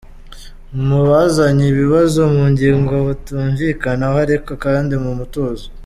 Mubazanye ibibazo ku ngingo mutumvikanaho ariko kandi mu mutuzo.